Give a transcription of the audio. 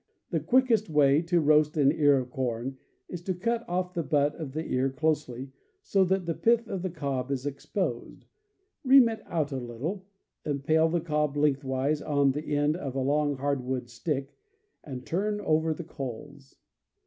The quickest way to roast an ear of corn is to cut off the butt of the ear closely, so that the pith of the cob is exposed, ream it out a little, impale the cob lengthwise on the end of a long hardwood stick, and turn over the coals.